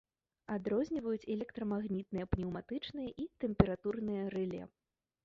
Адрозніваюць электрамагнітныя, пнеўматычныя і тэмпературныя рэле.